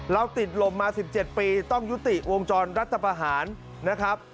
ติดลมมา๑๗ปีต้องยุติวงจรรัฐประหารนะครับ